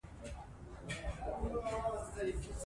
د زده کړي له لارې د ټولني د پرمختګ بنسټ ایښودل کيږي.